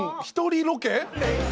一人ロケ？